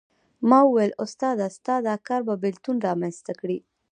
ما وویل استاده ستا دا کار به بېلتون رامېنځته کړي.